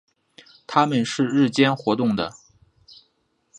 它们是日间活动的。